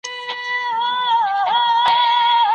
کوم خلګ د بسترې رازونه نورو ته وايي؟